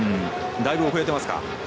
だいぶ遅れてますか？